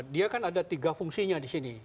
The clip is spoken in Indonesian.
dia kan ada tiga fungsinya di sini